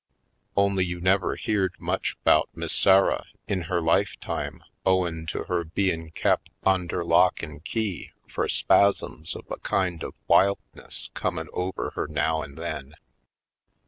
Only, you never beared much 'bout Miss Sarah in her lifetime owin' to her bein' kep' onder lock 216 /. Poindexter, Colored an' ke}^ fur spasms of a kind of wildness comin' over her now an' then.